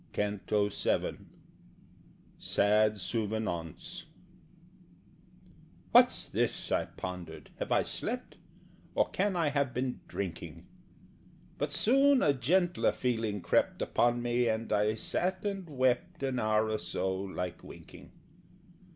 CANTO VII. Sad Souvenaunce. "What's this?" I pondered. "Have I slept? Or can I have been drinking?" But soon a gentler feeling crept Upon me, and I sat and wept An hour or so, like winking.